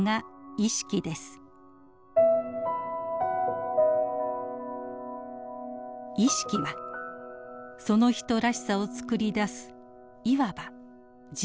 意識はその人らしさを作り出すいわば自我です。